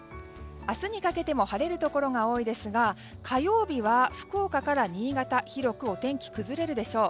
明日にかけても晴れるところが多いですが火曜日は福岡から新潟で広くお天気は崩れるでしょう。